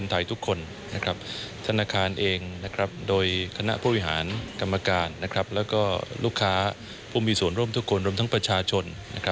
ธนาคารเองโดยคณะผู้บริหารกรรมการแล้วก็ลูกค้าผู้มีส่วนร่วมทุกคนรวมทั้งประชาชน